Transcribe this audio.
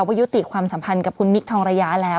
ว่ายุติความสัมพันธ์กับคุณมิคทองระยะแล้ว